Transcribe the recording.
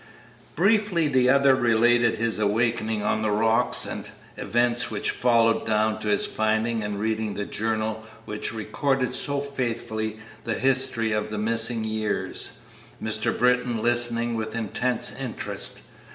Briefly the other related his awakening on the rocks and the events which followed down to his finding and reading the journal which recorded so faithfully the history of the missing years, Mr. Britton listening with intense interest.